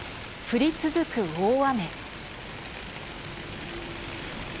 降り続く大雨。